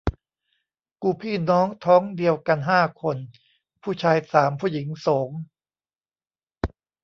กูพี่น้องท้องเดียวกันห้าคน ผู้ชายสาม ผู้หญิงโสง